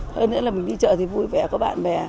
hơn nữa là mình đi chợ thì vui vẻ có bạn bè